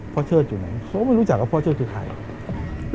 เชิดอยู่ไหนเขาก็ไม่รู้จักว่าพ่อเชิดคือใครครับ